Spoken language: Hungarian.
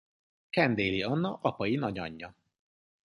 Candale-i Anna apai nagyanyja.